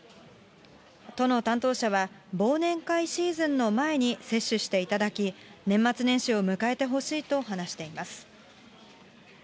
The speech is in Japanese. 都の担当者は、忘年会シーズンの前に接種していただき、年末年始を迎えてほしいと話しています。